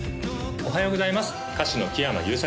おはようございます